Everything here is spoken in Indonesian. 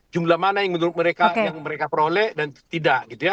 jumlah mana yang menurut mereka yang mereka peroleh dan tidak gitu ya